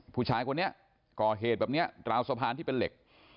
ผู้ชายคนนี้ก่อเหตุแบบนี้ราวสะพานที่เป็นเหล็ก